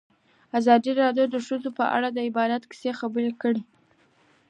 ازادي راډیو د د ښځو حقونه په اړه د عبرت کیسې خبر کړي.